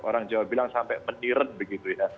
orang jawa bilang sampai menirn begitu ya